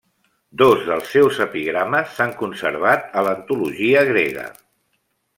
Dos dels seus epigrames s'han conservat a l'antologia grega.